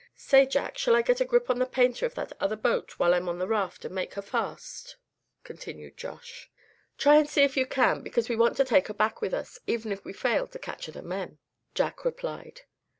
"Say, Jack, shall I get a grip on the painter of that other boat while I'm on the raft and make her fast?" continued Josh. "Try and see if you can, because we want to take her back with us, even if we fail to capture the men," Jack replied.